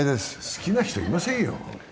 好きな人いませんよ。